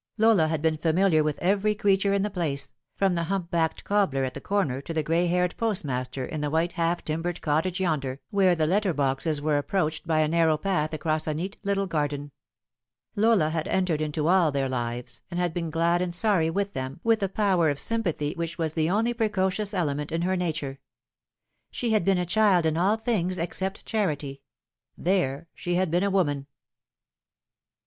Lola had been familiar with every creature in the place, from the humpbacked cobbler at the 314 The Fatal Three. corner to the gray haired postmaster in the white half timbered cottage yonder, where the letter boxes were approached by a narrow path across a neat little garden. Lola had entered into all their lives, and had been glad and sorry with them with a power of sympathy which was the only precocious element in her nature. She had been a child in all things except charity ; there she had been a woman.